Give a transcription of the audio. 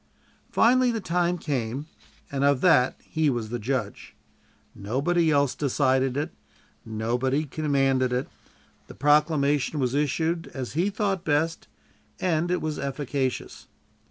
Finally the time came, and of that he was the judge. Nobody else decided it; nobody commanded it; the proclamation was issued as he thought best, and it was efficacious.